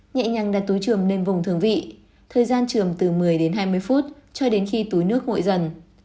nhẹ nhàng đặt túi chươm lên vùng thượng vị thời gian chươm từ một mươi hai mươi phút cho đến khi túi nước ngội dần